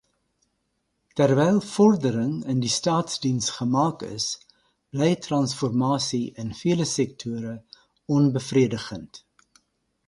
Terwyl vordering in die staatsdiens gemaak is, bly transformasie in vele sektore onbevredigend.